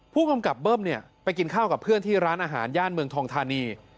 ผู้กำกับเบิ้มเนี่ยไปกินข้าวกับเพื่อนที่ร้านอาหารย่านเมืองทองทานี